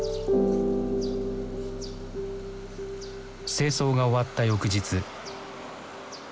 清掃が終わった翌日。